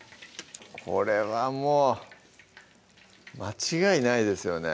これはもう間違いないですよね